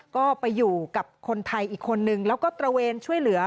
ก็ไปอยู่กับคนไทยอีกคนนึงแล้วก็ตระเวนช่วยเหลือ